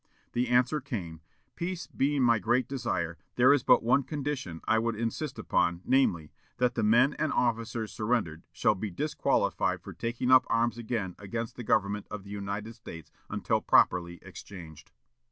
The answer came: "Peace being my great desire, there is but one condition I would insist upon, namely: that the men and officers surrendered shall be disqualified for taking up arms again against the government of the United States, until properly exchanged."